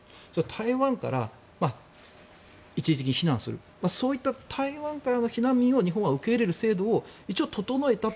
台湾から一時的に避難するそういった台湾からの避難民を日本は受け入れる制度を一応整えた。